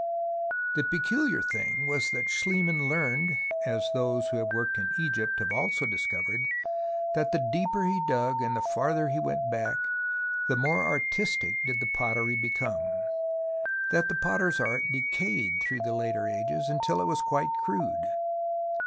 The peculiar thing was that SchHemann learned, as those who have worked in Egypt have also dis covered, that the deeper he dug and the farther he went back, the more artistic did the pottery become ; that the potter's art decayed through the later ages until it was quite crude.